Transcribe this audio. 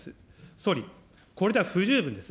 総理、これでは不十分です。